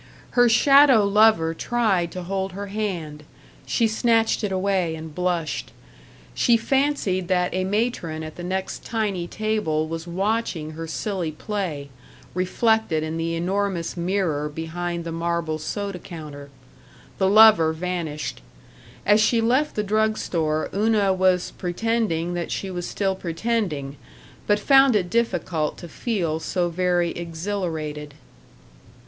Her shadow lover tried to hold her hand. She snatched it away and blushed. She fancied that a matron at the next tiny table was watching her silly play, reflected in the enormous mirror behind the marble soda counter. The lover vanished. As she left the drug store Una was pretending that she was still pretending, but found it difficult to feel so very exhilarated.